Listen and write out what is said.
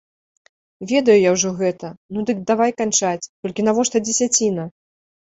Ведаю я ўжо гэта, ну дык давай канчаць, толькі навошта дзесяціна?